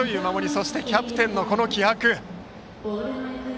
そしてキャプテンの今の気迫。